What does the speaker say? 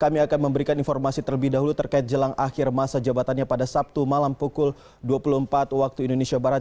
kami akan memberikan informasi terlebih dahulu terkait jelang akhir masa jabatannya pada sabtu malam pukul dua puluh empat waktu indonesia barat